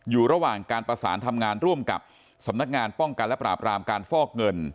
อยู่ระหว่างการประสานทำงานร่วมกับสำนักงานป้องกันและปราบรามการฟอกเงิน